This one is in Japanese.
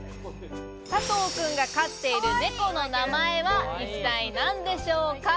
佐藤くんが飼っている猫の名前は一体何でしょうか？